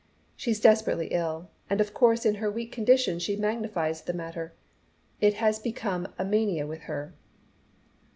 She's desperately ill, and of course in her weak condition she magnifies the matter. It has become a mania with her."